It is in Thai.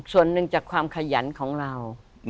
ส่วนหนึ่งจากความขยันของเรา